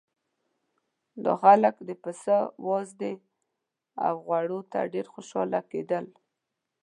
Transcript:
دا خلک د پسه وازدې او غوړو ته ډېر خوشاله کېدل.